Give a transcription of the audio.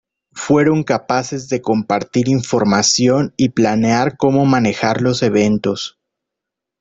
Fueron capaces de compartir información y planear cómo manejar los eventos.